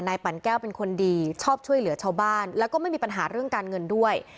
ปั่นแก้วเป็นคนดีชอบช่วยเหลือชาวบ้านแล้วก็ไม่มีปัญหาเรื่องการเงินด้วย